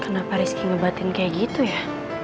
kenapa rizky ngobatin kayak gitu ya